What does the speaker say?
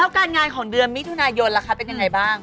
การงานของเดือนมิถุนายนล่ะคะเป็นยังไงบ้าง